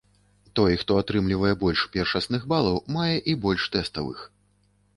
Той, хто атрымлівае больш першасных балаў, мае і больш тэставых.